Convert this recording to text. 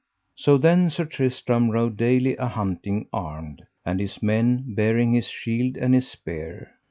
So then Sir Tristram rode daily a hunting armed, and his men bearing his shield and his spear.